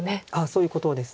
そういうことです。